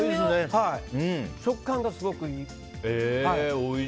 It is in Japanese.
食感がすごくいい。